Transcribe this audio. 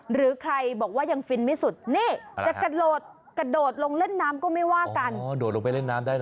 หรือใครบอกว่ายังฟินไม่สุดจะกระโดดลงเล่นน้ำก็ไม่ว่ากัน